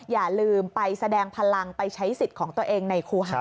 อย่าลืมไปแสดงพลังไปใช้สิทธิ์ของตัวเองในครูหา